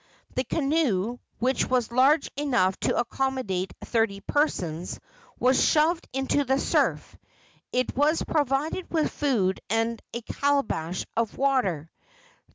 The canoe, which was large enough to accommodate thirty persons, was shoved into the surf. It was provided with food and a calabash of water.